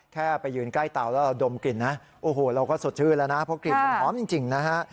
แค่ไปยืนใกล้เตาแล้วเราดมกลิ่นนะโอ้โหเราก็สดชื่นแล้วนะเพราะกลิ่นมันหอมจริงนะฮะ